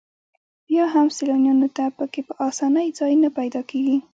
بیا هم سیلانیانو ته په کې په اسانۍ ځای نه پیدا کېږي.